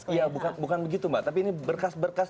iya bukan begitu mbak tapi ini berkas berkas